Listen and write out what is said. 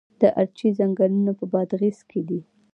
د ارچې ځنګلونه په بادغیس کې دي؟